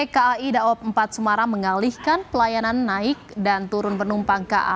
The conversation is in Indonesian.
kai daob empat semarang mengalihkan pelayanan naik dan turun penumpang ka